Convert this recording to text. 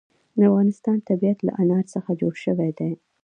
د افغانستان طبیعت له انار څخه جوړ شوی دی.